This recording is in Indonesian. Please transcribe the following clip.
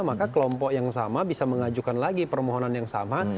maka kelompok yang sama bisa mengajukan lagi permohonan yang sama